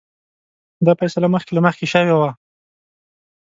دا فیصله مخکې له مخکې شوې وه.